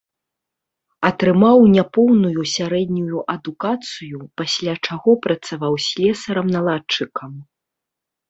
Атрымаў няпоўную сярэднюю адукацыю, пасля чаго працаваў слесарам-наладчыкам.